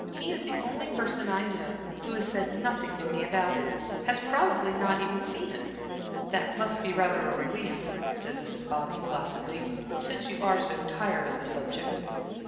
He is the only person I know who has said nothing to me about it, has probably not even seen it." "That must be rather a relief," said Mrs. Bobby, placidly, "since you are so tired of the subject."